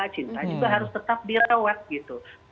cinta juga harus tetap dirawat gitu